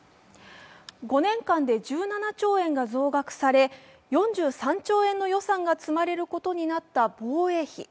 ５年間で１７兆円が増額され４３兆円の予算が積まれることになった防衛費。